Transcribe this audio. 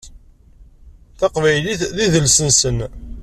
Taqbaylit d idles-nsen.